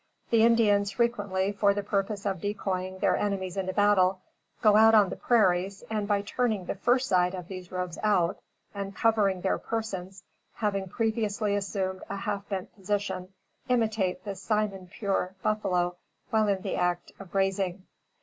The Indians, frequently, for the purpose of decoying their enemies into battle, go out on the prairies, and by turning the fur side of these robes out, and covering their persons, having previously assumed a half bent position, imitate the Simon Pure buffalo while in the act of grazing.